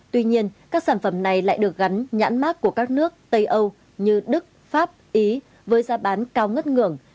tuy nhiên các sản phẩm này lại được gắn nhãn mát của các nước tây âu như đức pháp ý với giá bán cao ngất ngường